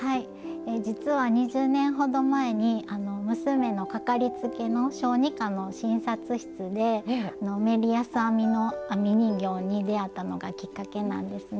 実は２０年ほど前に娘の掛かりつけの小児科の診察室でメリヤス編みの編み人形に出会ったのがきっかけなんですね。